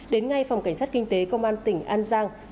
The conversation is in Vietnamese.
đến nay phòng cảnh sát kinh tế công an tỉnh an giang